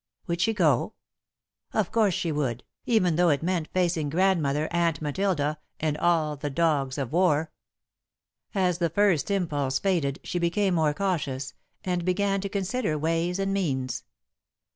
Would she go? Of course she would, even though it meant facing Grandmother, Aunt Matilda, and all the dogs of war. As the first impulse faded, she became more cautious, and began to consider ways and means.